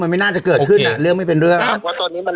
มันไม่น่าจะเกิดขึ้นอ่ะเรื่องไม่เป็นเรื่องว่าตอนนี้มัน